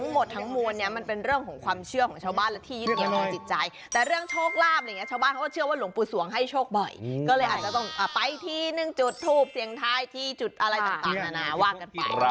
ก็เลยอาจจะต้องไปที่หนึ่งจุดทูบเสียงท้ายที่จุดอะไรต่างนะว่ากันไป